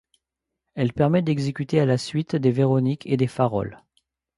Elle permet d'exécuter à la suite des véroniques et des farols.